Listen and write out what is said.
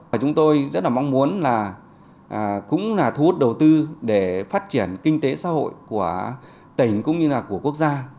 và chúng tôi rất là mong muốn là cũng là thu hút đầu tư để phát triển kinh tế xã hội của tỉnh cũng như là của quốc gia